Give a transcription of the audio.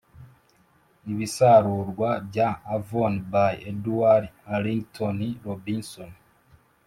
"ibisarurwa bya avon" by edward arlington robinson